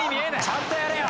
ちゃんとやれよ！